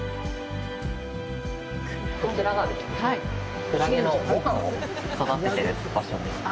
こちらがですねクラゲのごはんを育ててる場所です。